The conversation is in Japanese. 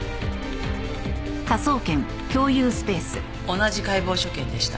同じ解剖所見でした。